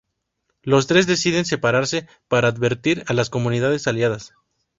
Los tres deciden separarse para advertir a las comunidades aliadas.